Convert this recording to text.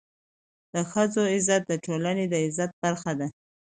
د ښځو عزت د ټولني د عزت برخه ده.